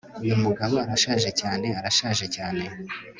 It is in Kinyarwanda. Uyu mugabo arashaje cyane arashaje cyane